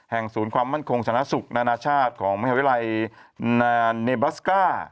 แห่งศูนย์ความมั่นคงสนาสุขนานาชาติของมหาวิรัยนาเนเบิสก้า